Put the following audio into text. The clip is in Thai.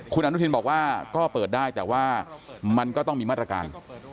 คุณอนุทินบอกว่าก็เปิดได้แต่ว่ามันก็ต้องมีมาตรการ